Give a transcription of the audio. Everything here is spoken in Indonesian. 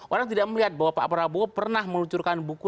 orang tidak melihat bahwa pak prabowo pernah meluncurkan buku